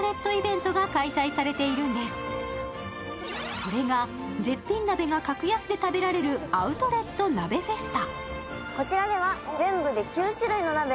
それが絶品鍋が格安で食べられるアウトレット鍋フェスタ。